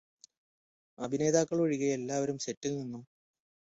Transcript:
അഭിനേതാക്കള് ഒഴികെ എല്ലാവരും സെറ്റില് നിന്നും